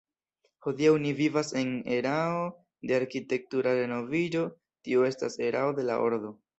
Hodiaŭ ni vivas en erao de arkitektura renoviĝo, tio estas erao de la ordo.